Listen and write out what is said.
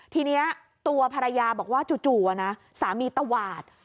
ทีนี้ตัวภรรยาบอกว่าจู่นะสามีตวาด